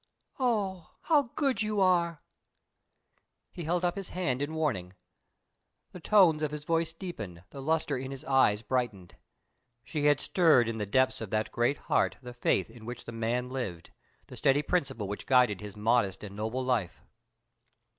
"Oh, how good you are!" He held up his hand in warning. The tones of his voice deepened, the luster of his eyes brightened. She had stirred in the depths of that great heart the faith in which the man lived the steady principle which guided his modest and noble life.